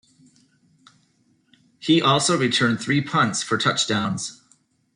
He also returned three punts for touchdowns.